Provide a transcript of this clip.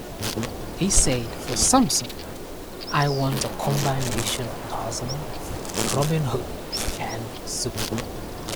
He said, For Samson, I want a combination Tarzan, Robin Hood, and Superman.